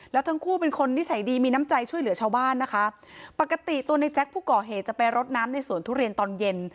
แล้วทั้งคู่เป็นคนนิสัยดีมีน้ำใจช่วยเหลือชาวบ้านนะคะปกติตัวในแจ๊คผู้ก่อเหตุจะไปรดน้ำในสวนทุเรียนตอนเย็น